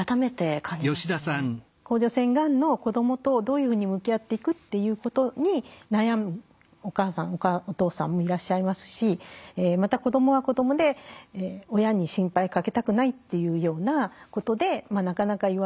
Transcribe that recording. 甲状腺がんの子どもとどういうふうに向き合っていくっていうことに悩むお母さんお父さんもいらっしゃいますしまた子どもは子どもで親に心配かけたくないっていうようなことでなかなか言わない。